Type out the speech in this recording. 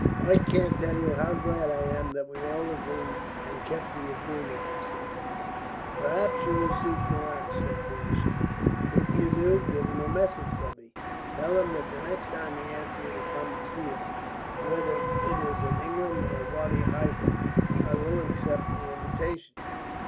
I can't tell you how glad I am that we all agreed and kept to the agreement," he said. "Perhaps you will see Durrance," said Feversham; "if you do, give him a message from me. Tell him that the next time he asks me to come and see him, whether it is in England or Wadi Halfa, I will accept the invitation."